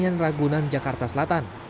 dan pertanian ragunan jakarta selatan